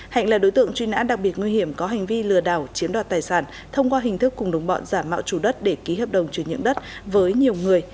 hạnh là đối tượng truy nã đặc biệt nguy hiểm có hành vi lừa đảo chiếm đoạt tài sản thông qua hình thức cùng đồng bọn giả mạo chủ đất để ký hợp đồng chuyển nhượng đất với nhiều người